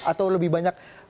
atau lebih banyak